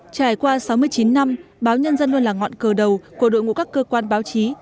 trải qua sáu mươi chín năm báo nhân dân luôn là ngọn cờ đầu của đội ngũ các cơ quan báo chí